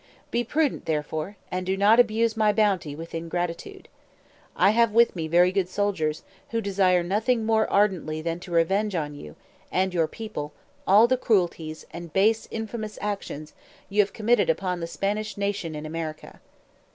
Be prudent, therefore, and do not abuse my bounty with ingratitude. I have with me very good soldiers, who desire nothing more ardently than to revenge on you, and your people, all the cruelties, and base infamous actions, you have committed upon the Spanish nation in America.